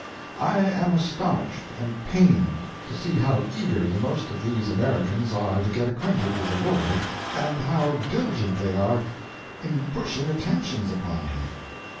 I am astonished and pained to see how eager the most of these Americans are to get acquainted with a lord, and how diligent they are in pushing attentions upon him.